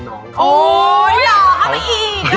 โหย๊บเขาเป็นอีก